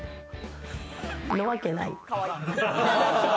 なわけない。